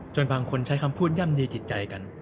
บางคนใช้คำพูดย่ำยีจิตใจกัน